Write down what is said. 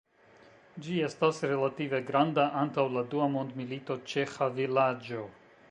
Ĝi estas relative granda, antaŭ la dua mondmilito ĉeĥa vilaĝo.